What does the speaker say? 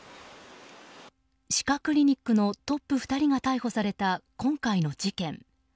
歯科クリニックのトップ２人が逮捕された今回の事件。